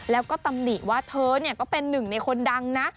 แล้วก็ตำหนิว่าเธอก็เป็นหนึ่งในคนดังนะ